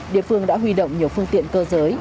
địa phương đã huy động nhiều phương tiện cơ giới